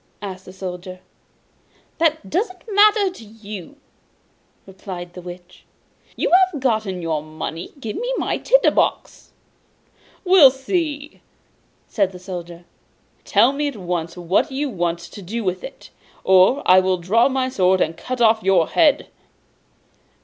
asked the Soldier. 'That doesn't matter to you,' replied the Witch. 'You have got your money, give me my tinder box.' 'We'll see!' said the Soldier. 'Tell me at once what you want to do with it, or I will draw my sword, and cut off your head!